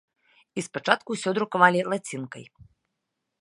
І спачатку ўсё друкавалі лацінкай.